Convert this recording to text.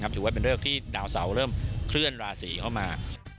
ถือว่าเป็นเลิกที่ดาวเสาเริ่มเคลื่อนราศีเข้ามา